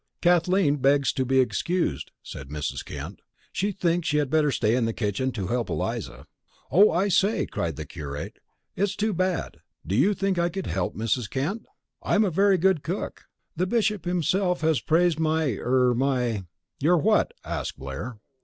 "Kathleen begs to be excused," said Mrs. Kent. "She thinks she had better stay in the kitchen to help Eliza." "Oh, I say," cried the curate. "That's too bad. Do you think I could help, Mrs. Kent? I'm a very good cook. The Bishop himself has praised my er my " "Your what?" asked Blair.